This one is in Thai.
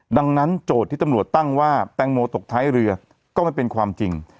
ดังนั้นโจทย์ที่ตำรวจตั้งว่าแตงโมตกท้ายเรือก็ไม่เป็นความจริง